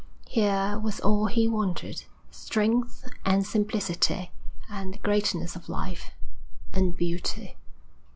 Here was all he wanted, strength and simplicity, and the greatness of life, and beauty.